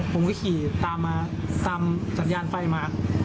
ผมก็ขี่ตามจัดยานไฟมา